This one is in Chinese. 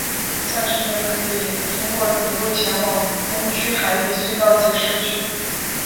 驾驶者可以通过此路前往东区海底隧道及市区。